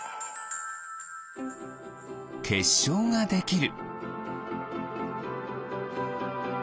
けっしょうができる。